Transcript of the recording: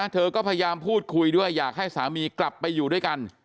เธอก็พยายามพูดคุยด้วยอยากให้สามีกลับไปอยู่ด้วยกัน